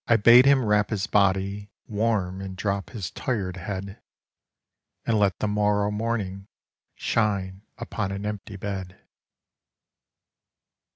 1 bade him wrap his body warm and drop his tired head, And let the morrow morning shine upon an empty bed.